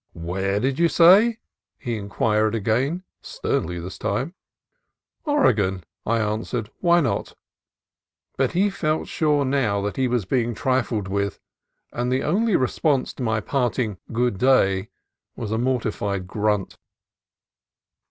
"Whar did you say?" he in quired again, sternly this time. "Oregon," I an swered; "why not?" But he felt sure now that he DANA'S OPINION OF SAN PEDRO 59 was being trifled with, and the only response to my parting "Good day" was a mortified grunt.